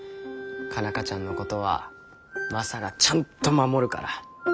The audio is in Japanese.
佳奈花ちゃんのことはマサがちゃんと守るから。